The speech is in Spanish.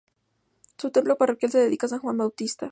Su templo parroquial se dedica a San Juan Bautista.